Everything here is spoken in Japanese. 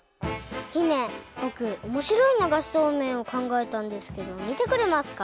姫ぼくおもしろいながしそうめんをかんがえたんですけどみてくれますか？